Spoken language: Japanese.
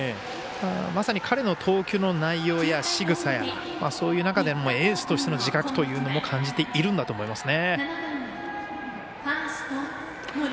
まさに彼の投球の内容やしぐさやそういう中でエースとしての自覚というのも感じているんだと思いますね。